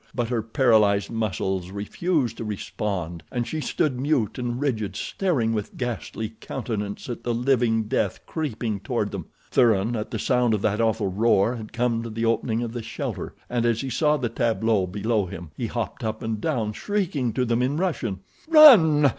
But her paralyzed muscles refused to respond, and she stood mute and rigid, staring with ghastly countenance at the living death creeping toward them. Thuran, at the sound of that awful roar, had come to the opening of the shelter, and as he saw the tableau below him he hopped up and down, shrieking to them in Russian. "Run!